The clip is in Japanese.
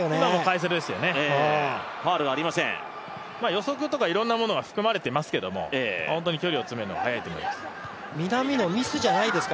予測とかいろんなものが含まれてますけど本当に距離を詰めるのが速いと思います。